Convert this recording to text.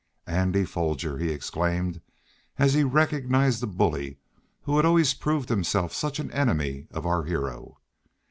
"Andy Foger!" he exclaimed as he recognized the bully who had always proved himself such an enemy of our hero.